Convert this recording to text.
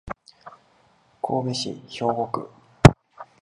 神戸市兵庫区